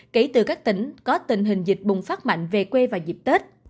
kể từ các tỉnh có tình hình dịch bùng phát mạnh về quê vào dịp tết